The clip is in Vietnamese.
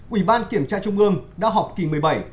ủy ban kiểm tra trung ương đã họp kỳ một mươi bảy